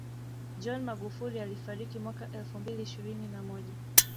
John Magufuli alifariki mwaka elfu mbili ishirini na moja